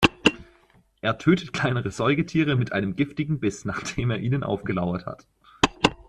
Er tötet kleinere Säugetiere mit einem giftigen Biss, nachdem er ihnen aufgelauert hat.